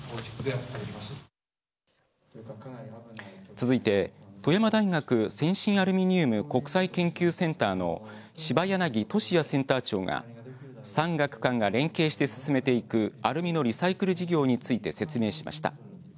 続いて富山大学先進アルミニウム国際研究センターの柴柳敏哉センター長が産学官が連携して進めていくアルミのリサイクル事業について説明しました。